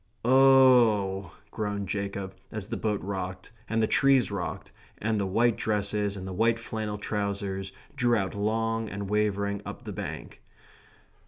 "Oh h h h," groaned Jacob, as the boat rocked, and the trees rocked, and the white dresses and the white flannel trousers drew out long and wavering up the bank.